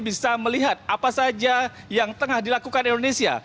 bisa melihat apa saja yang tengah dilakukan indonesia